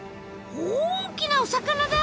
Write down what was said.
大きなお魚だ！